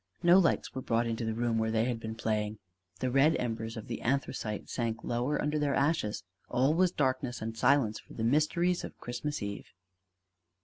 No lights were brought into the room where they had been playing. The red embers of the anthracite sank lower under their ashes: all was darkness and silence for the mysteries of Christmas Eve.